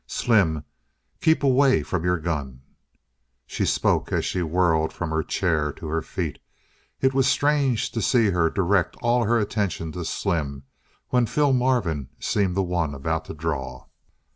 "Slim, keep away from your gun!" She spoke as she whirled from her chair to her feet. It was strange to see her direct all her attention to Slim, when Phil Marvin seemed the one about to draw.